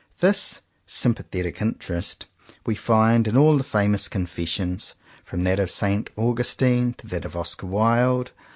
This "sympathetic interest" we find in all the famous confessions, from that of Saint Augustine to that of Oscar Wilde.